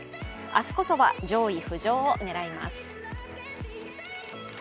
明日こそは上位浮上を狙います。